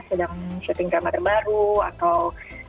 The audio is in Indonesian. sedang syuting drama terbaru atau